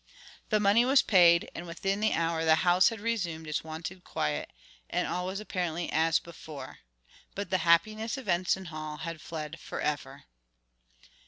The money was paid, and within the hour the house had resumed its wonted quiet and all was apparently as before; but the happiness of Enson Hall had fled forever.